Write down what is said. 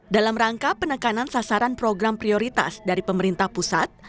dalam rangka penekanan sasaran program prioritas dari pemerintah pusat